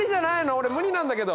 俺無理なんだけど。